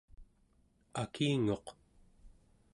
akinguq